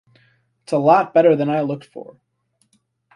It's a lot better than I looked for.